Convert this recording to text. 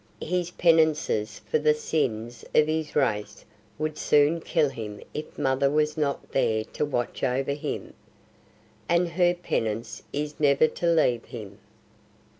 His penances for the sins of his race would soon kill him if mother was not there to watch over him. And her penance is never to leave him."